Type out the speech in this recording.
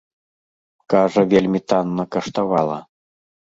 Кажа, вельмі танна каштавала.